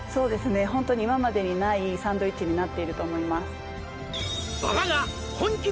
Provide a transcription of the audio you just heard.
ホントに今までにないサンドイッチになっていると思います